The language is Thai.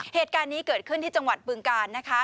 เหตุการณ์นี้เกิดขึ้นที่จังหวัดบึงการนะคะ